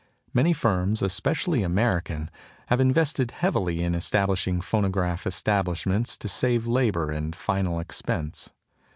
Many firms, especially American, have invested heavily in establishing phonograph establishments to save labour and final expense.